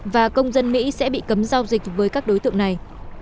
và công dân mỹ sẽ bị cấm giao dịch với các đối tượng này